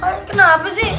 kalian kenapa sih